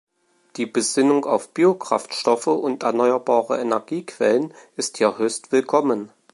Die Besinnung auf Biokraftstoffe und erneuerbare Energiequellen ist hier höchst willkommen.